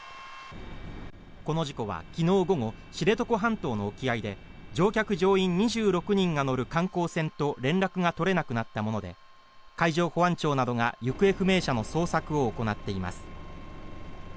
この事故は昨日午後、知床半島の沖合で乗客乗員２６人が乗る観光船と連絡が取れなくなったもので海上保安庁などが行方不明者の捜索を行っています。